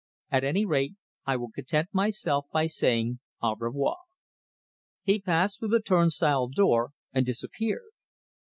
At any rate, I will content myself by saying au revoir." He passed through the turnstile door and disappeared.